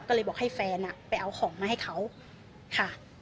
ก็เลยบอกให้แฟนไปเอาของมาให้เขาค่ะ